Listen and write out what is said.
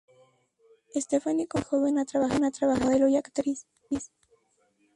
Stephanie comenzó muy joven a trabajar como modelo y actriz.